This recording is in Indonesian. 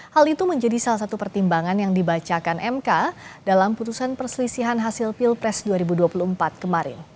hal itu menjadi salah satu pertimbangan yang dibacakan mk dalam putusan perselisihan hasil pilpres dua ribu dua puluh empat kemarin